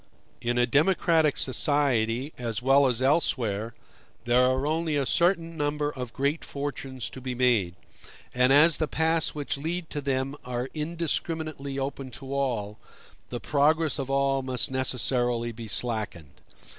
In a democratic society, as well as elsewhere, there are only a certain number of great fortunes to be made; and as the paths which lead to them are indiscriminately open to all, the progress of all must necessarily be slackened.